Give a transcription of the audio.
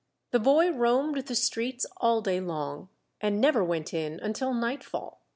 The boy roamed the streets all day long, and never went in until nightfall.